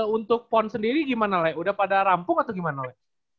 untuk pond sendiri gimana le udah pada rampung atau gimana le